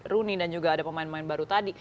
rooney dan juga ada pemain pemain baru tadi